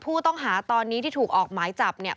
ผู้ต้องหาตอนนี้ที่ถูกออกหมายจับเนี่ย